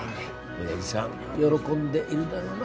おやじさん喜んでいるだろうな。